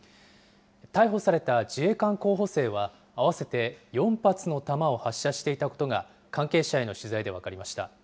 逮捕された自衛官候補生は、合わせて４発の弾を発射していたことが関係者への取材で分かりました。